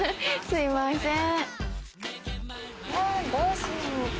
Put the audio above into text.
すいません